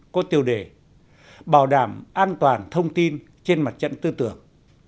có tiêu đề bảo đảm an toàn thông tin trên mặt trận tư tưởng